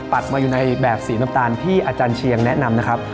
มาอยู่ในแบบสีน้ำตาลที่อาจารย์เชียงแนะนำนะครับ